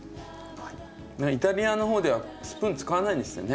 イタリアの方ではスプーン使わないんですってね。